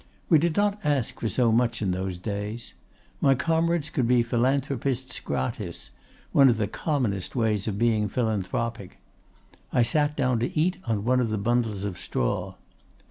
We did not ask for so much in those days. My comrades could be philanthropists gratis—one of the commonest ways of being philanthropic. I sat down to eat on one of the bundles of straw.